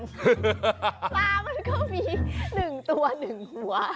ปลามันก็มีหนึ่งตัวหนึ่งหัว